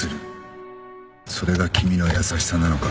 それが君の優しさなのか？